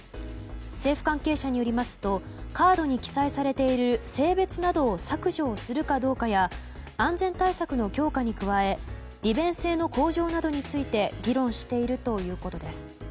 政府関係者によりますとカードに記載されている性別などを削除するかどうかや安全対策の強化に加え利便性の向上などについて議論しているということです。